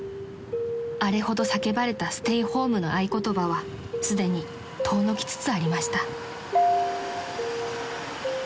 ［あれほど叫ばれたステイホームの合言葉はすでに遠のきつつありました］